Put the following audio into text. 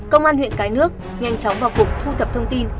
công an huyện cái nước nhanh chóng vào cuộc thu thập thông tin